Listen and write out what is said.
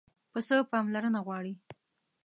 پسه پاملرنه غواړي.